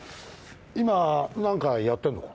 今何かやってんのか？